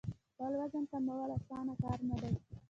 خپل وزن کمول اسانه کار نه دی.